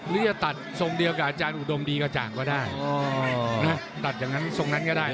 จะตัดกระจังสมเดียวกับอาจารย์อุดมดีกระจ่างก็ได้